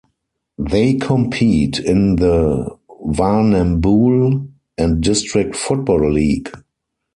They compete in the Warrnambool and District Football League.